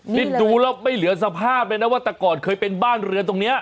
นี่ดูแล้วไม่เหลือสภาพเลยนะว่าแต่ก่อนเคยเป็นบ้านเรือนตรงนี้